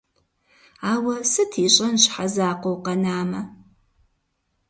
Ауэ сыт ищӀэн щхьэ закъуэу къэнамэ?